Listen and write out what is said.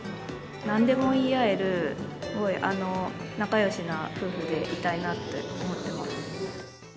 なんでも言い合える、仲よしな夫婦でいたいなって思ってます。